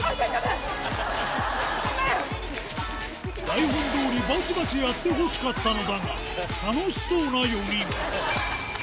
台本どおり、ばちばちやってほしかったのだが、楽しそうな４人。